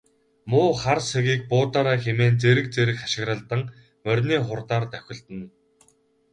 Муу хар сэгийг буудаарай хэмээн зэрэг зэрэг хашхиралдан морины хурдаар давхилдана.